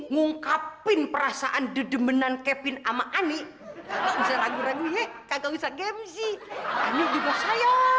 ngungkapin perasaan dedemen and kevin ama ani ragu ragu ya enggak usah game sih nyuruh sayang